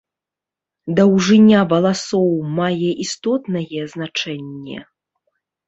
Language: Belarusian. Даўжыня валасоў мае істотнае значэнне?